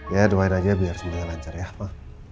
ya doain aja biar semuanya lancar ya apa